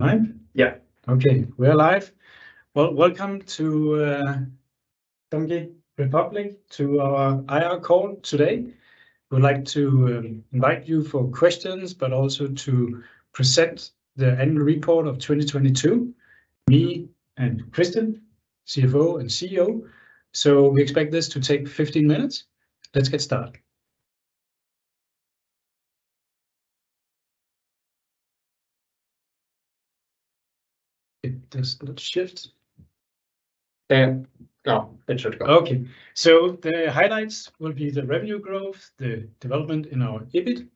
Live? Yeah. Okay, we're live. Welcome to Donkey Republic, to our IR call today. We'd like to invite you for questions, but also to present the annual report of 2022, me and Christian, CFO and CEO. We expect this to take 15 minutes. Let's get started. It does not shift. There. Now, it should go. Okay. The highlights will be the revenue growth, the development in our EBIT,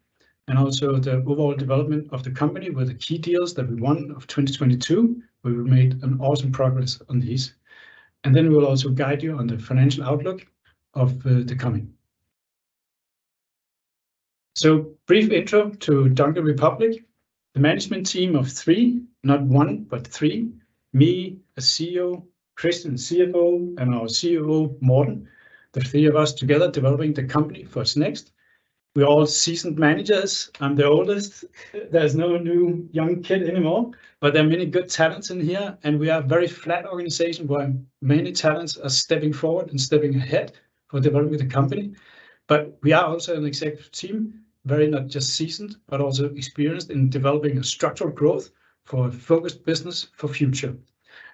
and also the overall development of the company with the key deals that we won of 2022, where we made an awesome progress on these. We will also guide you on the financial outlook of the coming. Brief intro to Donkey Republic. The management team of three, not one, but three, me, a CEO, Christian, CFO, and our COO, Morten. The three of us together developing the company for its next. We're all seasoned managers. I'm the oldest. There's no new young kid anymore, but there are many good talents in here, and we are very flat organization where many talents are stepping forward and stepping ahead for developing the company. We are also an executive team, very not just seasoned, but also experienced in developing a structural growth for a focused business for future.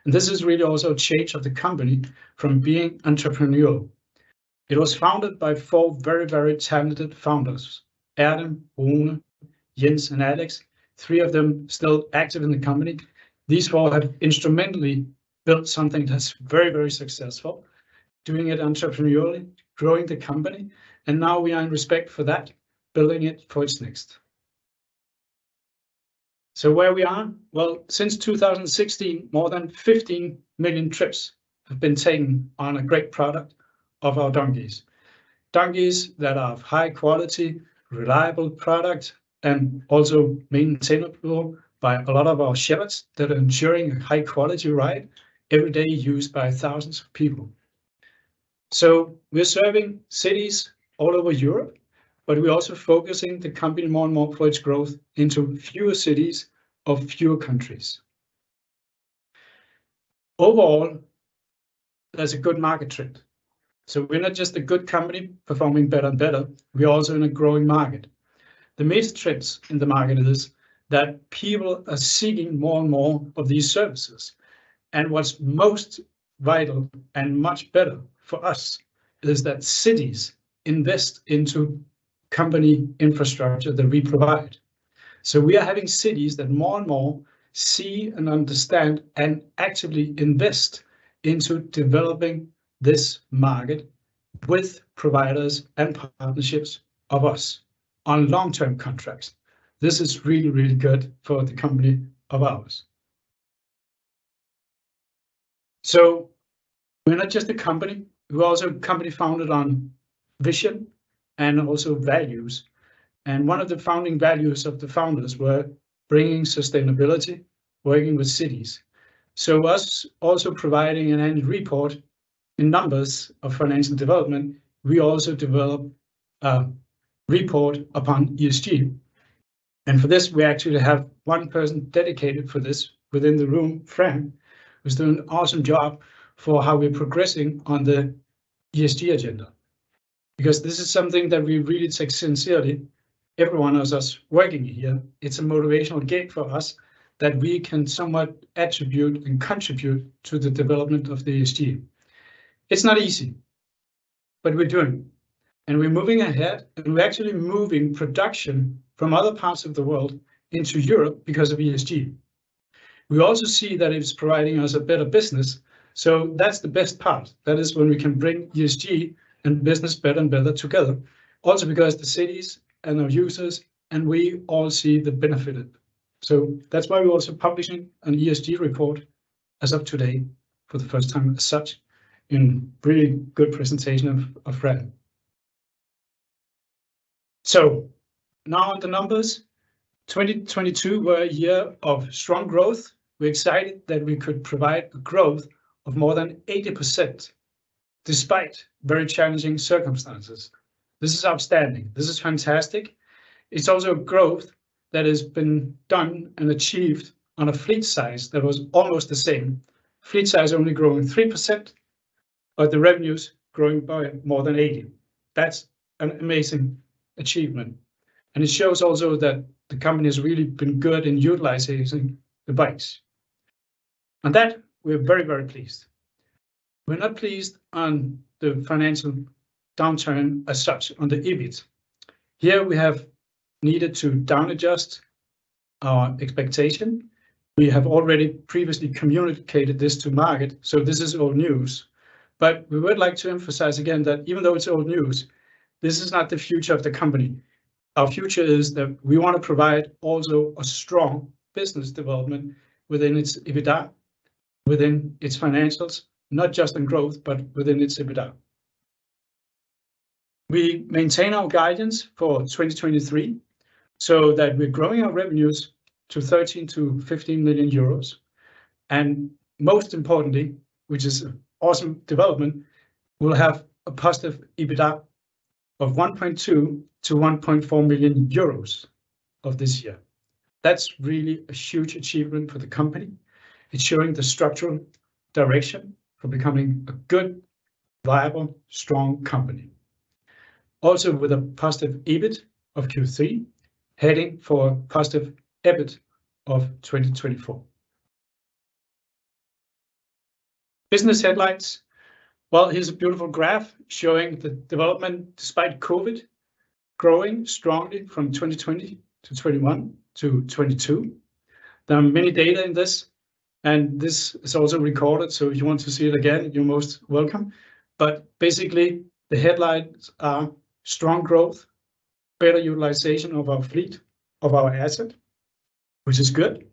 This is really also a change of the company from being entrepreneurial. It was founded by four very, very talented founders, Adam, Rune, Jens, and Alex, three of them still active in the company. These four have instrumentally built something that's very, very successful, doing it entrepreneurially, growing the company, and now we are in respect for that, building it for its next. Where we are? Since 2016, more than 15 million trips have been taken on a great product of our Donkeys. Donkeys that are of high quality, reliable product, and also maintainable by a lot of our Donkey Shepherds that are ensuring a high quality ride every day used by thousands of people. We're serving cities all over Europe, but we're also focusing the company more and more for its growth into fewer cities of fewer countries. There's a good market trend, so we're not just a good company performing better and better, we're also in a growing market. The main trends in the market is that people are seeking more and more of these services, and what's most vital and much better for us is that cities invest into company infrastructure that we provide. We are having cities that more and more see and understand and actively invest into developing this market with providers and partnerships of us on long-term contracts. This is really good for the company of ours. We're not just a company. We're also a company founded on vision and also values, and one of the founding values of the founders were bringing sustainability, working with cities. Us also providing an annual report in numbers of financial development, we also develop a report upon ESG, and for this, we actually have one person dedicated for this within the room, Fran, who's doing an awesome job for how we're progressing on the ESG agenda because this is something that we really take sincerely, every one of us working here. It's a motivational gate for us that we can somewhat attribute and contribute to the development of the ESG. It's not easy, but we're doing, and we're moving ahead, and we're actually moving production from other parts of the world into Europe because of ESG. We also see that it's providing us a better business. That's the best part. That is when we can bring ESG and business better and better together also because the cities and our users. We all see the benefit. That's why we're also publishing an ESG report as of today for the first time as such in really good presentation of Fran. Now the numbers. 2022 were a year of strong growth. We're excited that we could provide a growth of more than 80% despite very challenging circumstances. This is outstanding. This is fantastic. It's also a growth that has been done and achieved on a fleet size that was almost the same. Fleet size only growing 3%, the revenues growing by more than 80%. That's an amazing achievement, and it shows also that the company's really been good in utilizing the bikes, and that we're very, very pleased. We're not pleased on the financial downturn as such on the EBIT. Here we have needed to down adjust our expectation. We have already previously communicated this to market, so this is old news. We would like to emphasize again that even though it's old news, this is not the future of the company. Our future is that we want to provide also a strong business development within its EBITDA, within its financials, not just in growth, but within its EBITDA. We maintain our guidance for 2023 so that we're growing our revenues to 13 million-15 million euros. Most importantly, which is awesome development, we'll have a positive EBITDA of 1.2 million-1.4 million euros of this year. That's really a huge achievement for the company. It's showing the structural direction for becoming a good, viable, strong company. With a positive EBIT of Q3, heading for positive EBIT of 2024. Business headlines. Well, here's a beautiful graph showing the development despite COVID, growing strongly from 2020 to 2021 to 2022. There are many data in this. This is also recorded, so if you want to see it again, you're most welcome. Basically, the headlines are strong growth, better utilization of our fleet, of our asset, which is good,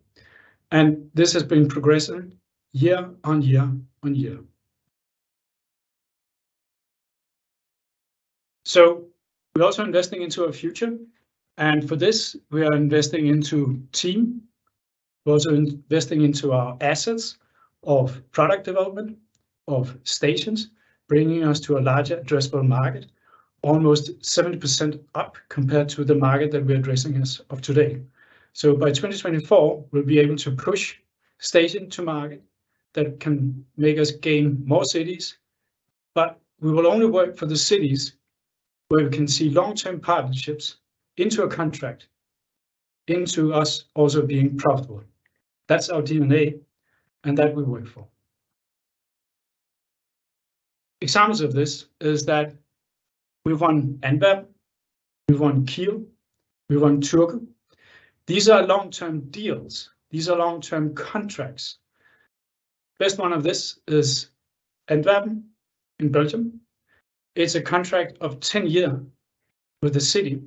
and this has been progressing year-on-year-on-year. We're also investing into our future, and for this we are investing into team. We're also investing into our assets of product development, of stations, bringing us to a larger addressable market, almost 70% up compared to the market that we are addressing as of today. By 2024, we'll be able to push station to market that can make us gain more cities, but we will only work for the cities where we can see long-term partnerships into a contract, into us also being profitable. That's our DNA, and that we work for. Examples of this is that we've won Antwerp, we've won Kiel, we've won Turku. These are long-term deals. These are long-term contracts. Best one of this is Antwerp in Belgium. It's a contract of 10 year with the city.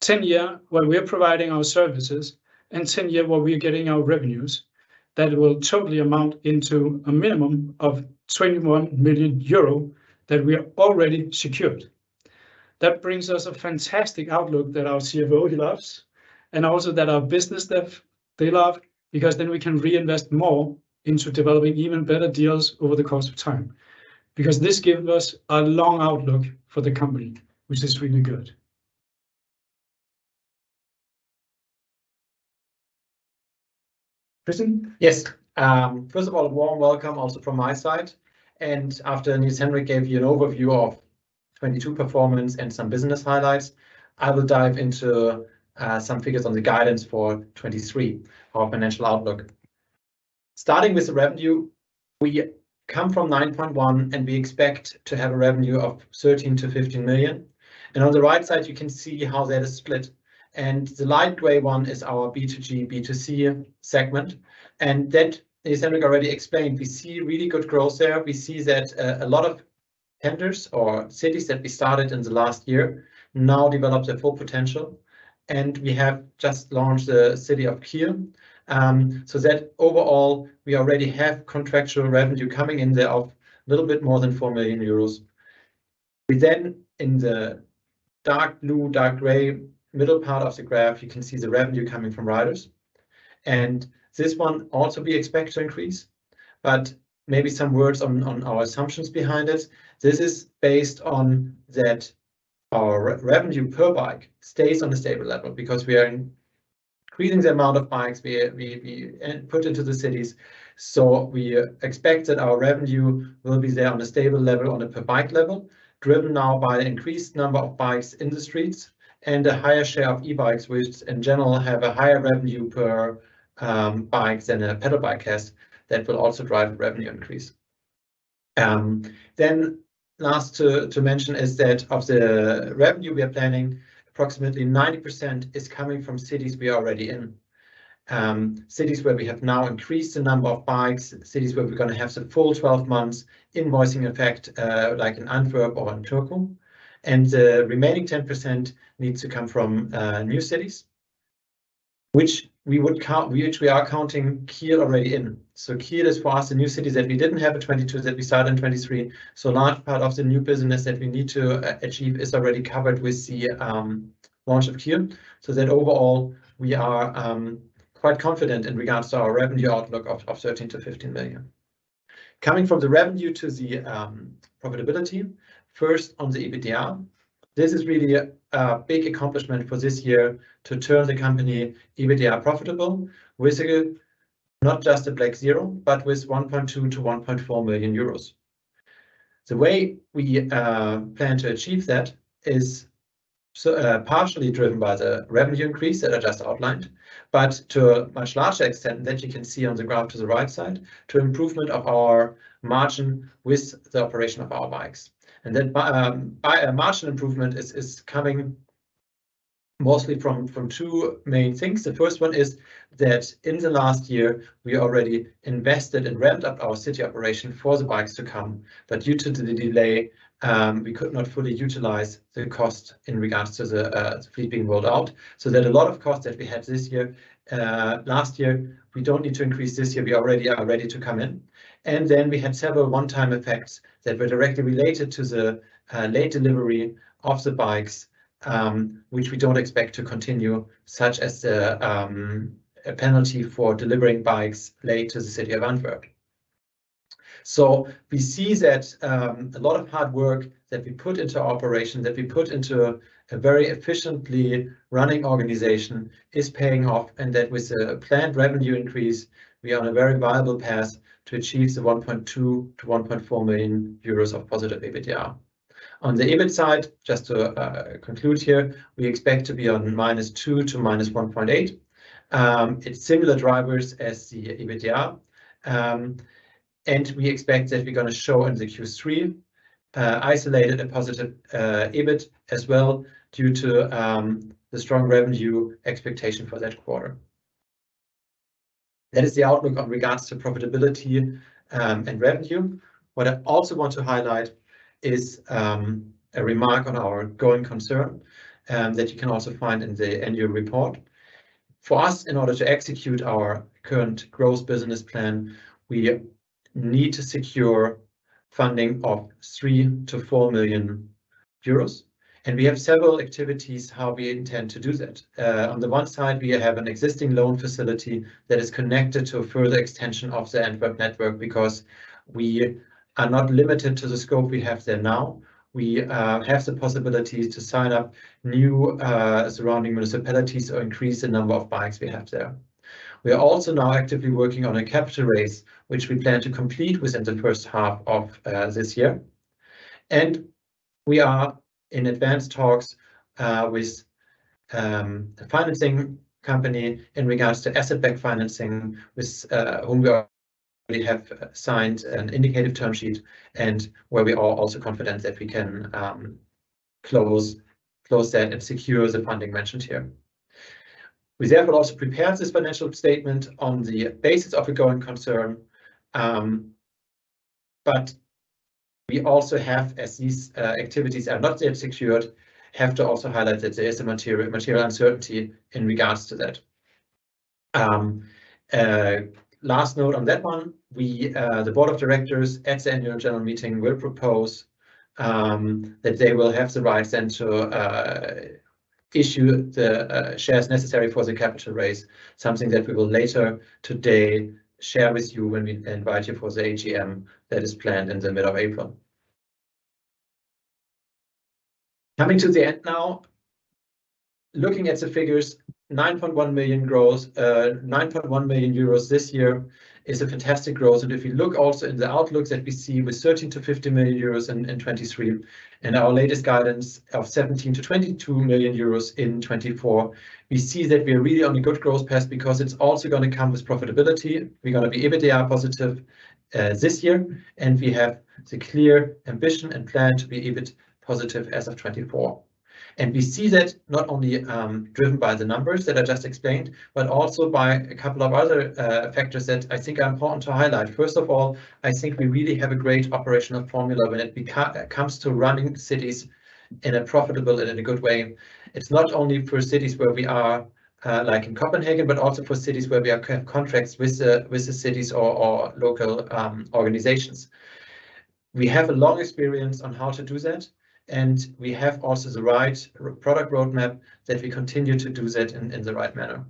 10 year where we are providing our services, and 10 year where we are getting our revenues. That will totally amount into a minimum of 21 million euro that we are already secured. That brings us a fantastic outlook that our CFO, he loves, and also that our business dev, they love, because then we can reinvest more into developing even better deals over the course of time, because this gives us a long outlook for the company, which is really good. Christian? Yes. First of all, a warm welcome also from my side. After Niels Henrik gave you an overview of 2022 performance and some business highlights, I will dive into some figures on the guidance for 2023, our financial outlook. Starting with the revenue, we come from 9.1 million. We expect to have a revenue of 13 million-15 million. On the right side you can see how that is split. The light gray one is our B2G, B2C segment, and that as Henrik already explained, we see really good growth there. We see that a lot of tenders or cities that we started in the last year now developed their full potential. We have just launched the city of Kiel. Overall we already have contractual revenue coming in there of a little bit more than 4 million euros. In the dark blue, dark gray middle part of the graph, you can see the revenue coming from riders, and this one also we expect to increase. Maybe some words on our assumptions behind it. This is based on that our revenue per bike stays on a stable level, because we are increasing the amount of bikes we put into the cities. We expect that our revenue will be there on a stable level on a per bike level, driven now by the increased number of bikes in the streets, and a higher share of e-bikes, which in general have a higher revenue per bikes than a pedal bike has. That will also drive revenue increase. Last to mention is that of the revenue we are planning, approximately 90% is coming from cities we are already in. Cities where we have now increased the number of bikes, cities where we're gonna have some full 12 months invoicing effect, like in Antwerp or in Turku. The remaining 10% needs to come from new cities, which we are counting Kiel already in. Kiel is, for us, a new city that we didn't have in 2022, that we start in 2023. Large part of the new business that we need to achieve is already covered with the launch of Kiel. Overall we are quite confident in regards to our revenue outlook of 13 million-15 million. Coming from the revenue to the profitability, first on the EBITDA. This is really a big accomplishment for this year to turn the company EBITDA profitable with a, not just a break zero, but with 1.2 million-1.4 million euros. The way we plan to achieve that is partially driven by the revenue increase that I just outlined. To a much larger extent that you can see on the graph to the right side, to improvement of our margin with the operation of our bikes. Then by a margin improvement is coming mostly from two main things. The first one is that in the last year we already invested and ramped up our city operation for the bikes to come. due to the delay, we could not fully utilize the cost in regards to the fleet being rolled out, so that a lot of cost that we had this year, last year, we don't need to increase this year. We already are ready to come in. We had several one-time effects that were directly related to the late delivery of the bikes, which we don't expect to continue, such as the a penalty for delivering bikes late to the city of Antwerp. We see that a lot of hard work that we put into operation, that we put into a very efficiently running organization is paying off, and that with a planned revenue increase, we are on a very viable path to achieve the 1.2 million-1.4 million euros of positive EBITDA. On the EBIT side, just to conclude here, we expect to be on -2 to -1.8. It's similar drivers as the EBITDA. We expect that we're gonna show in the Q3, isolated and positive, EBIT as well due to the strong revenue expectation for that quarter. That is the outlook on regards to profitability and revenue. What I also want to highlight is a remark on our going concern that you can also find in the annual report. For us, in order to execute our current growth business plan, we need to secure funding of 3 million-4 million euros. We have several activities how we intend to do that. On the one side, we have an existing loan facility that is connected to a further extension of the Antwerp network, because we are not limited to the scope we have there now. We have the possibility to sign up new surrounding municipalities or increase the number of bikes we have there. We are also now actively working on a capital raise, which we plan to complete within the first half of this year. We are in advanced talks with a financing company in regards to asset-backed financing with whom we already have signed an indicative term sheet and where we are also confident that we can close that and secure the funding mentioned here. We therefore also prepared this financial statement on the basis of a going concern, but we also have, as these activities are not yet secured, have to also highlight that there is a material uncertainty in regards to that. Last note on that one, we the board of directors at the Annual General Meeting will propose that they will have the right then to issue the shares necessary for the capital raise, something that we will later today share with you when we invite you for the AGM that is planned in the middle of April. Coming to the end now, looking at the figures, 9.1 million growth, 9.1 million euros this year is a fantastic growth. If you look also in the outlook that we see with 13 million-15 million euros in 2023, and our latest guidance of 17 million-22 million euros in 2024, we see that we are really on a good growth path because it's also gonna come with profitability. We're gonna be EBITDA positive this year, and we have the clear ambition and plan to be EBIT positive as of 2024. We see that not only driven by the numbers that I just explained, but also by a couple of other factors that I think are important to highlight. First of all, I think we really have a great operational formula when it comes to running cities in a profitable and in a good way. It's not only for cities where we are, like in Copenhagen, but also for cities where we have contracts with the cities or local organizations. We have a long experience on how to do that, and we have also the right product roadmap that we continue to do that in the right manner.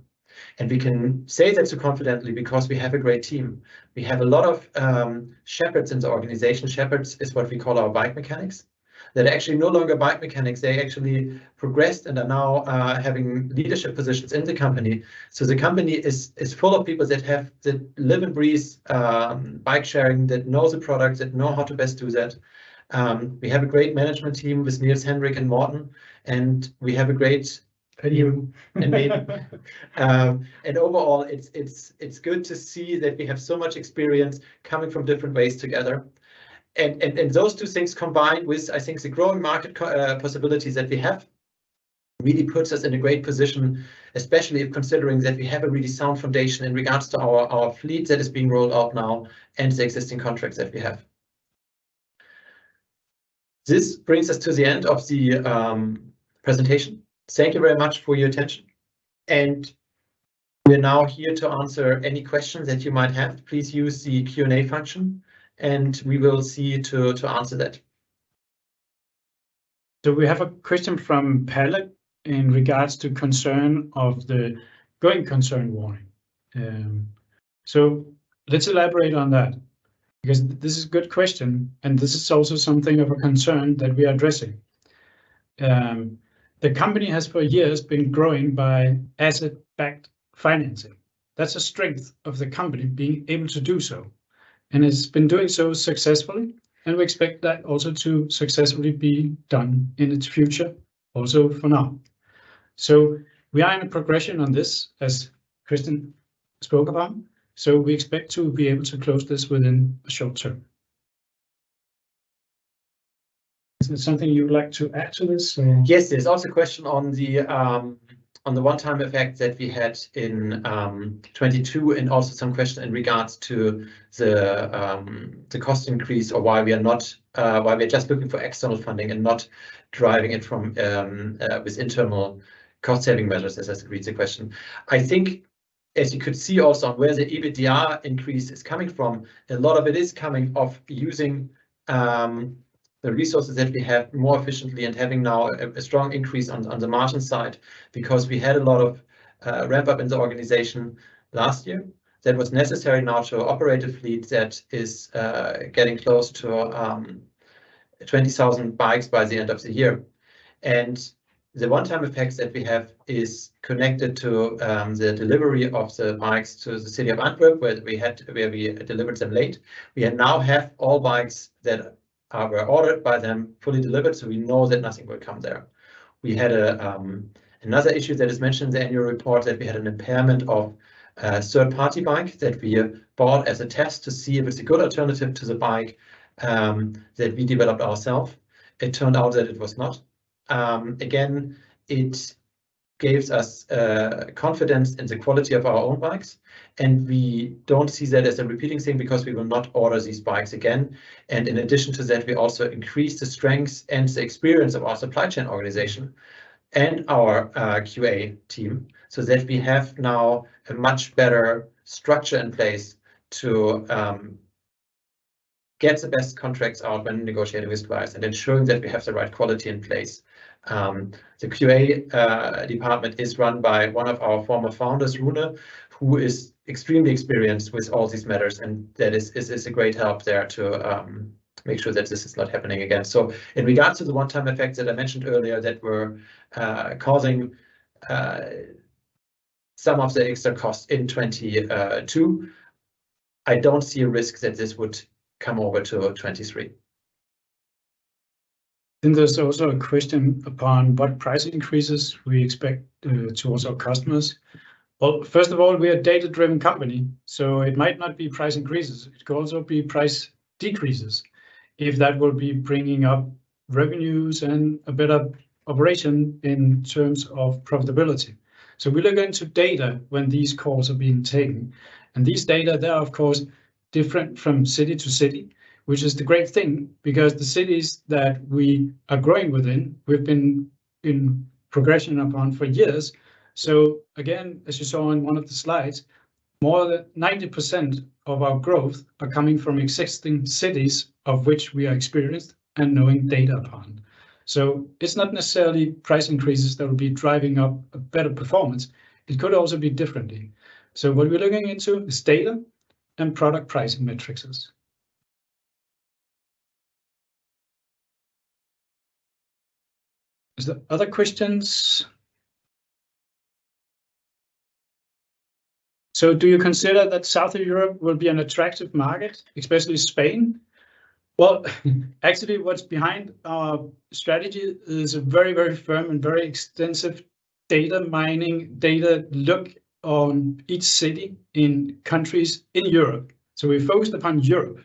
We can say that so confidently because we have a great team. We have a lot of shepherds in the organization. Shepherds is what we call our bike mechanics. They're actually no longer bike mechanics. They actually progressed and are now having leadership positions in the company. The company is full of people that live and breathe bike sharing, that know the product, that know how to best do that. We have a great management team with Niels Henrik, and Morten, and we have a great- You. Me. Overall, it's good to see that we have so much experience coming from different ways together. Those two things combined with, I think, the growing market possibilities that we have really puts us in a great position, especially considering that we have a really sound foundation in regards to our fleet that is being rolled out now and the existing contracts that we have. This brings us to the end of the presentation. Thank you very much for your attention, and we're now here to answer any questions that you might have. Please use the Q&A function, and we will see to answer that. We have a question from Pelle in regards to concern of the going concern warning. Let's elaborate on that because this is a good question, and this is also something of a concern that we are addressing. The company has for years been growing by asset-backed financing. That's a strength of the company, being able to do so, and it's been doing so successfully, and we expect that also to successfully be done in its future also for now. We are in a progression on this, as Christian spoke about, so we expect to be able to close this within a short term. Is there something you would like to add to this or? Yes. There's also a question on the one-time effect that we had in 2022, and also some question in regards to the cost increase or why we are not, why we are just looking for external funding and not driving it from with internal cost saving measures. That's really the question. I think as you could see also on where the EBITDA increase is coming from, a lot of it is coming off using The resources that we have more efficiently and having now a strong increase on the margin side because we had a lot of ramp up in the organization last year that was necessary now to operate a fleet that is getting close to 20,000 bikes by the end of the year. The one-time effects that we have is connected to the delivery of the bikes to the city of Antwerp, where we delivered them late. We now have all bikes that are, were ordered by them fully delivered, so we know that nothing will come there. We had another issue that is mentioned in the annual report, that we had an impairment of a third-party bike that we bought as a test to see if it's a good alternative to the bike that we developed ourselves. It turned out that it was not. Again, it gives us confidence in the quality of our own bikes, and we don't see that as a repeating thing because we will not order these bikes again. In addition to that, we also increased the strengths and the experience of our supply chain organization and our QA team so that we have now a much better structure in place to get the best contracts out when negotiating with suppliers and ensuring that we have the right quality in place. The QA department is run by one of our former founders, Rune, who is extremely experienced with all these matters, and that is a great help there to make sure that this is not happening again. In regards to the one-time effects that I mentioned earlier that were causing some of the extra costs in 2022, I don't see a risk that this would come over to 2023. There's also a question upon what price increases we expect to also customers. Well, first of all, we are a data-driven company, so it might not be price increases. It could also be price decreases if that will be bringing up revenues and a better operation in terms of profitability. We look into data when these calls are being taken, and these data, they are of course different from city-to-city, which is the great thing because the cities that we are growing within, we've been in progression upon for years. Again, as you saw in one of the slides, more than 90% of our growth are coming from existing cities of which we are experienced and knowing data upon. It's not necessarily price increases that will be driving up a better performance. It could also be differently. What we're looking into is data and product pricing metrics. Is there other questions? Do you consider that South of Europe will be an attractive market, especially Spain? Well, actually, what's behind our strategy is a very, very firm and very extensive data mining, data look on each city in countries in Europe, so we focused upon Europe.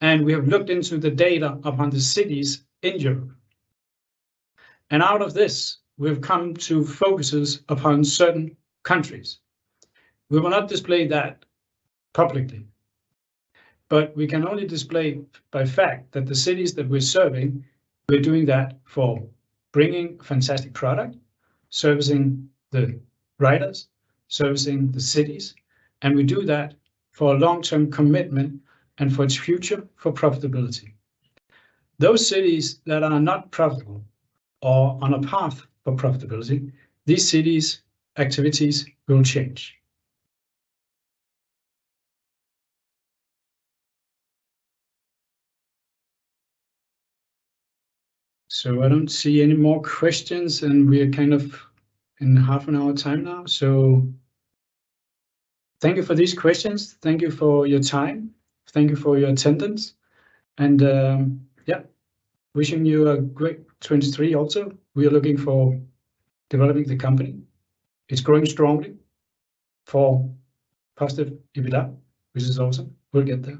We have looked into the data upon the cities in Europe, and out of this, we've come to focuses upon certain countries. We will not display that publicly, but we can only display by fact that the cities that we're serving, we're doing that for bringing fantastic product, servicing the riders, servicing the cities, and we do that for a long-term commitment and for its future for profitability. Those cities that are not profitable or on a path for profitability, these cities' activities will change. I don't see any more questions, and we are kind of in half an hour time now. Thank you for these questions. Thank you for your time. Thank you for your attendance, and, yeah. Wishing you a great 2023 also. We are looking for developing the company. It's growing strongly for positive EBITDA, which is awesome. We'll get there.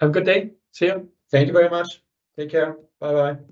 Have a good day. See you. Thank you very much. Take care. Bye-bye.